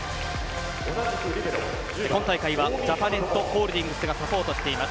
今大会はジャパネットホールディングスがサポートしています。